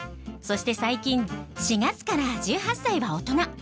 そして最近「４月から１８歳は大人。